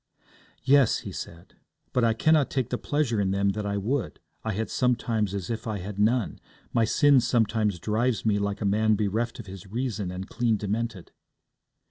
'Yes,' he said, 'but I cannot take the pleasure in them that I would. I am sometimes as if I had none. My sin sometimes drives me like a man bereft of his reason and clean demented.'